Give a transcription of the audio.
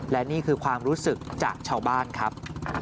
และนี่คือความรู้สึกจากชาวบ้านครับ